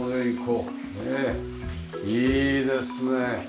いいですね。